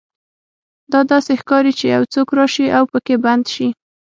دا داسې ښکاري چې یو څوک راشي او پکې بند شي